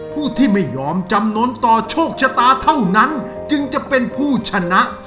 ผู้ที่ไม่ยอมจำนวนต่อโชคชะตาเท่านั้นจึงจะเป็นผู้ชนะ